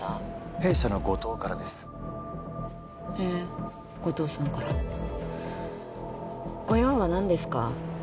弊社の後藤からですへえ後藤さんからご用は何ですか？